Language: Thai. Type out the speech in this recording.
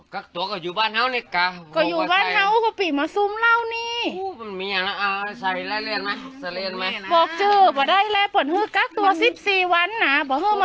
กะตัวก็อยู่บ้านเฮ้าเล็กกะโหบอกอย่างงี้อ่ะเอาใส่น่าเลี่ยงไหมใช้เลี่ยงไหม